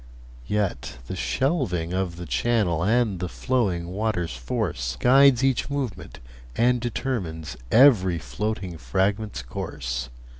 Yet the shelving of the channel And the flowing water's force Guides each movement, and determines Every floating fragment's course.